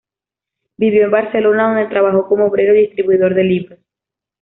Vivió en Barcelona, donde trabajó como obrero y distribuidor de libros.